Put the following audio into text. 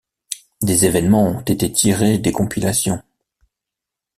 Des événements ont été tirées des compilations.